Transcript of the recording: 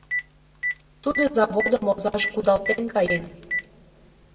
— Тудо заводым озаже кудалтен каен.